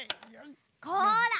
こら！